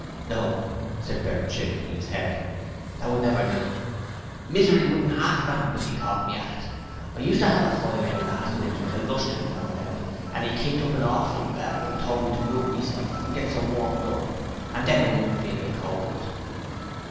'No,' said Bert shaking his head. 'That would never do! Misery wouldn't 'arf ramp if 'e caught me at it. I used to 'ave a fire 'ere last winter till Rushton found out, and 'e kicked up an orful row and told me to move meself and get some work done and then I wouldn't feel the cold.'